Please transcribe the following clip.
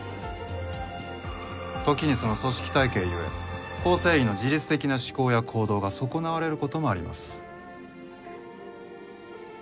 時にその組織体系ゆえ構成員の自立的な思考や行動が損なわれる事もあります。